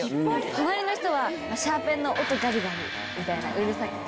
隣の人はシャーペンの音ガリガリみたいなうるさくて。